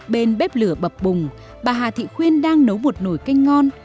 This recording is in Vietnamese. bên bếp lửa bập bùng bà hà thị khuyên đang nấu một nồi canh ngon